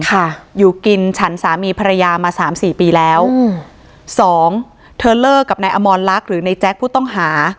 ค่ะอยู่กินฉันสามีภรรยามาสามสี่ปีแล้วอืมสองเธอเลิกกับนายอมรลักษณ์หรือในแจ๊คผู้ต้องหา